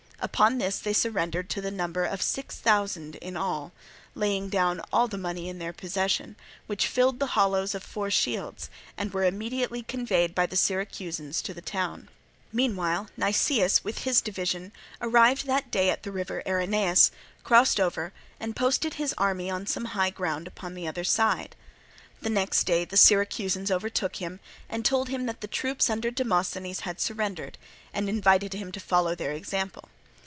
Upon this they surrendered to the number of six thousand in all, laying down all the money in their possession, which filled the hollows of four shields, and were immediately conveyed by the Syracusans to the town. Meanwhile Nicias with his division arrived that day at the river Erineus, crossed over, and posted his army upon some high ground upon the other side. The next day the Syracusans overtook him and told him that the troops under Demosthenes had surrendered, and invited him to follow their example.